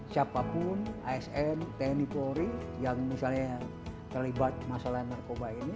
siapapun asn tni polri yang misalnya terlibat masalah narkoba ini